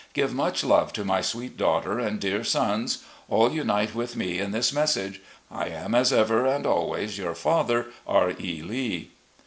Give much love to my sweet daughter and dear sons. All unite with me in this mes sage. ... I am, as ever and always, " Your father, "R. E. Lee."